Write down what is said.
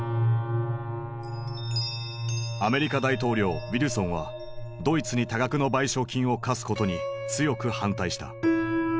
アメリカ大統領ウィルソンはドイツに多額の賠償金を科すことに強く反対した。